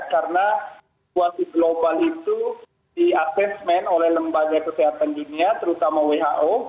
karena global itu di asesmen oleh lembaga kesehatan dunia terutama who